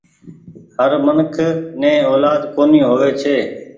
هر منک ني اولآد ڪونيٚ هووي ڇي۔